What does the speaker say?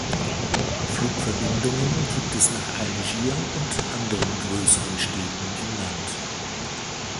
Flugverbindungen gibt es nach Algier und anderen größeren Städten im Land.